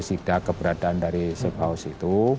sidak keberadaan dari safe house itu